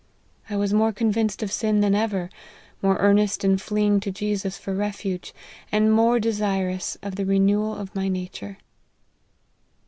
I was more convinced of sin than ever, more earnest in fleeing to Jesus for refuge, and more desirous of the renewal of my nature."